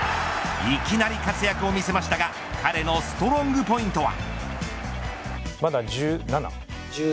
いきなり活躍を見せましたが彼のストロングポイントは。